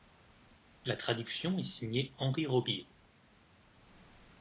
La traduction est signée Henri Robillot.